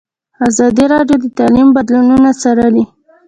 ازادي راډیو د تعلیم بدلونونه څارلي.